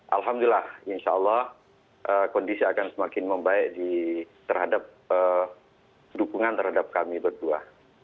alhamdulillah insya allah kondisi akan semakin membaik terhadap dukungan terhadap kami berdua